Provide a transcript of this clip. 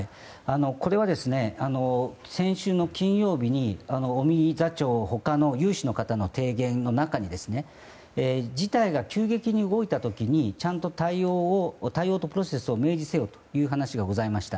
これは先週の金曜日に尾身座長ほか有志の方の提言の中に事態が急激に動いた時にちゃんと対応とプロセスを明示せよという話がございました。